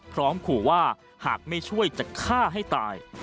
พร้อมขู่ว่าหากไม่ช่วยจะฆ่าให้ตาย